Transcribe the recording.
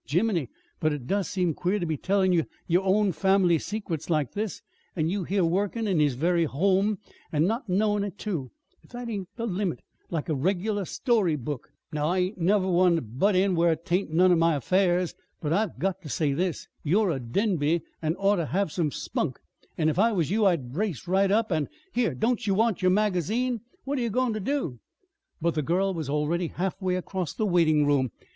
Jiminy! but it does seem queer ter be tellin' ye yer own family secrets like this an' you here workin' in his very home, an' not knowin' it, too. If that ain't the limit like a regular story book! Now, I ain't never one ter butt in where 'tain't none of my affairs, but I've got ter say this. You're a Denby, an' ought ter have some spunk; an' if I was you I'd brace right up an' Here, don't ye want yer magazine? What are ye goin' ter do?" But the girl was already halfway across the waiting room.